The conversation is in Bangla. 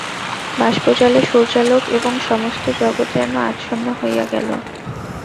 বাষ্পজালে সূর্যালোক এবং সমস্ত জগৎ যেন আচ্ছন্ন হইয়া গেল।